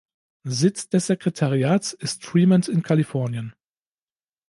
Sitz des Sekretariats ist Fremont in Kalifornien.